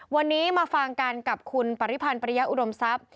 วันนี้มาฟังกันกับคุณปริพันธ์ปริยะอุดมทรัพย์